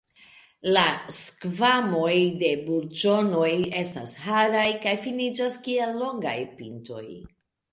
La skvamoj de burĝonoj estas haraj kaj finiĝas kiel longaj pintoj.